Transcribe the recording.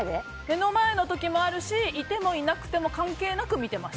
目の前の時もあるしいても、いなくても犯罪者や。